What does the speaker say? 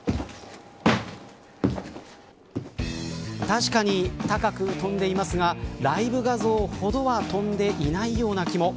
確かに高く跳んでいますがライブ画像ほどは跳んでいないような気も。